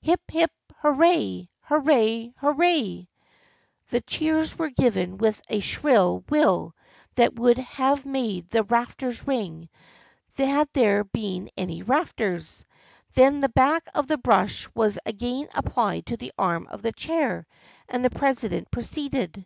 Hip — hip — hurray ! Hurray ! Hurray !" The cheers were given with a shrill will that would have made the rafters ring, had there been any rafters. Then the back of the brush was again applied to the arm of the chair and the presi dent proceeded.